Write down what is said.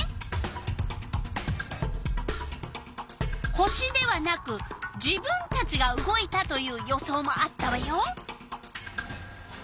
星ではなく自分たちが動いたという予想もあったわよ。